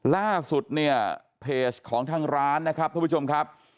ล่าสุดเนี่ยเพจของทางร้านนะครับท่านผู้ชมครับ